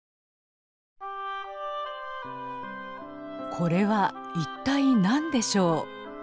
これは一体何でしょう？